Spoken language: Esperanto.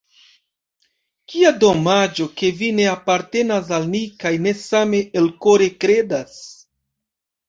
Kia domaĝo, ke vi ne apartenas al ni kaj ne same elkore kredas.